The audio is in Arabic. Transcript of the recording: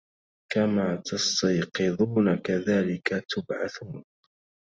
وَكَمَا تَسْتَيْقِظُونَ كَذَلِكَ تُبْعَثُونَ